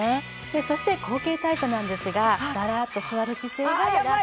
そして後傾タイプなんですがダラッと座る姿勢がラク。